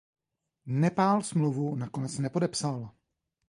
Nepál smlouvu nakonec nepodepsal.